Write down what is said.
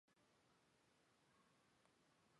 妳不要再去那里了